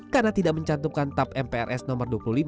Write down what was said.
karena tidak mencantumkan tab mprs nomor dua puluh lima